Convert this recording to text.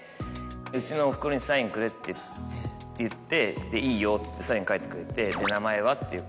うちのお袋にサインくれって言っていいよってサイン書いてくれて。